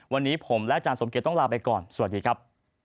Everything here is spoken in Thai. วันนี้ผมและอาจารย์สมเกียจต้องลาไปก่อนสวัสดีครับ